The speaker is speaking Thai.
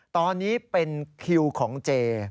ตอนนี้เป็นคิวของเจ